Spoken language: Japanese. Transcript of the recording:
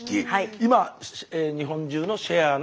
今日本中のシェアの。